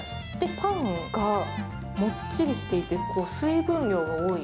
パンがもっちりしていて、水分量が多い。